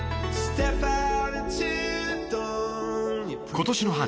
今年の春